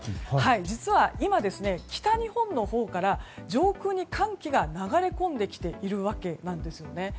実は今、北日本のほうから上空に寒気が流れ込んできているわけなんですよね。